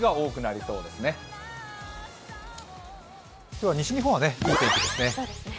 今日は西日本はいい天気ですね。